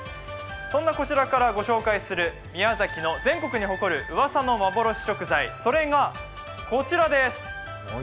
そんなこちらからご紹介する宮崎から全国に誇る幻の食材、それがこちらです。